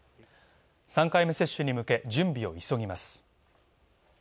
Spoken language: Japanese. ３回目接種に向け準備を急ぎます。